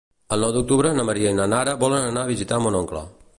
El nou d'octubre na Maria i na Nara volen anar a visitar mon oncle.